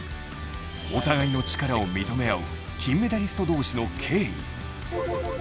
お互いの力を認め合う金メダリスト同士の敬意。